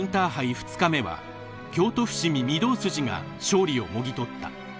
２日目は京都伏見御堂筋が勝利をもぎ取った。